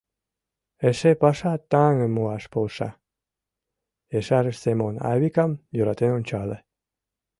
— Эше паша таҥым муаш полша, — ешарыш Семон, Айвикам йӧратен ончале.